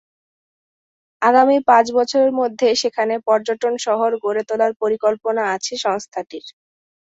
আগামী পাঁচ বছরের মধ্যে সেখানে পর্যটন শহর গড়ে তোলার পরিকল্পনা আছে সংস্থাটির।